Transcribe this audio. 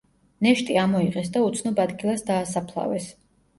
ნეშტი ამოიღეს და უცნობ ადგილას დაასაფლავეს.